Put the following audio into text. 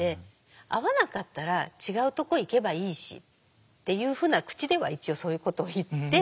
「合わなかったら違うとこ行けばいいし」っていうふうな口では一応そういうことを言って。